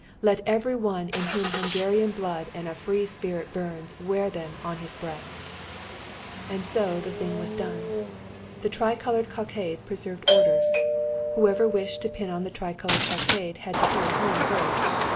Let every one in whom Hungarian blood and a free spirit burns wear them on his breast." And so the thing was done. The tricoloured cockade preserved order. Whoever wished to pin on the tricoloured cockade had to hurry home first.